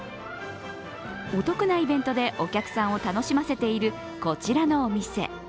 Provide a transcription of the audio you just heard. お得なイベントでお客さんを楽しませているこちらのお店。